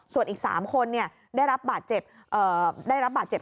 ส่วนอีก๓คนได้รับบาดเจ็บ